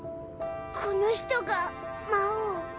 この人が魔王。